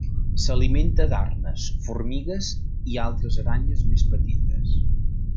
S'alimenta d'arnes, formigues i altres aranyes més petites.